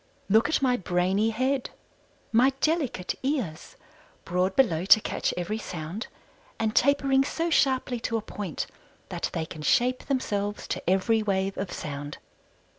Look at my brainy head, my delicate ears broad below to catch every sound, and tapering so sharply to a point that they can shape themselves to every wave of sound.